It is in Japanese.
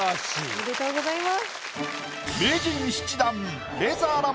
おめでとうございます。